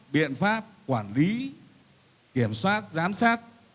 biện pháp quản lý kiểm soát giám sát